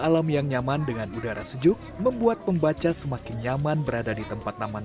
alam yang nyaman dengan udara sejuk membuat pembaca semakin nyaman berada di tempat taman